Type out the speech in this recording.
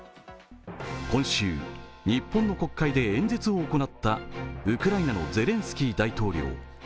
今週、日本の国会で演説を行ったウクライナのゼレンスキー大統領。